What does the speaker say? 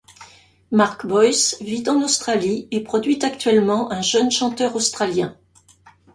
Mark Boyce vit en Australie et produit actuellement un jeune chanteur australien.